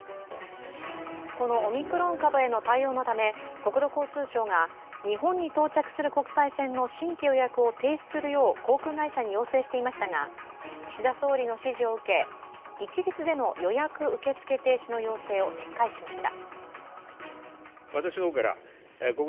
このオミクロン株への対応のため国土交通省が、日本に到着する国際線の新規予約を停止するよう航空会社に要請していましたが岸田総理の支持を受け、一律での予約受付停止の要請を撤回しました。